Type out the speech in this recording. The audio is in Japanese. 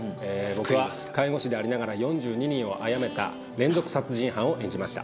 僕は、介護士でありながら４２人をあやめた連続殺人犯を演じました。